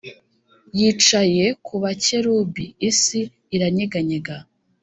yicaye ku bakerubi isi iranyeganyega.